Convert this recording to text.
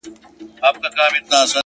د لاسونو په پياله کې اوښکي راوړې ـ